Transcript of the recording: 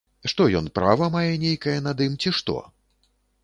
Што ён права мае нейкае над ім, ці што?